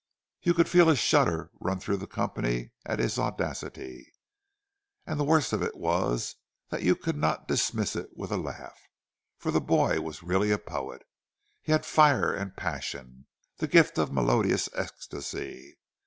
You could feel a shudder run through the company at his audacity. And the worst of it was that you could not dismiss it with a laugh; for the boy was really a poet—he had fire and passion, the gift of melodious ecstacy.